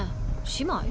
姉妹？